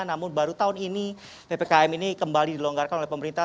namun baru tahun ini ppkm ini kembali dilonggarkan oleh pemerintah